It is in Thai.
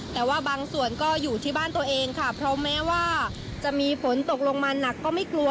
แต่ว่าบางส่วนก็อยู่ที่บ้านตัวเองค่ะเพราะแม้ว่าจะมีฝนตกลงมาหนักก็ไม่กลัว